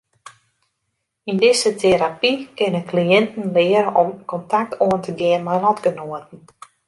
Yn dizze terapy kinne kliïnten leare om kontakt oan te gean mei lotgenoaten.